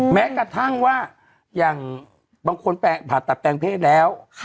แม้กระทั่งว่าอย่างบางคนผ่าตัดแปลงเพศแล้ว